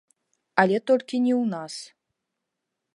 Але толькі не ў нас.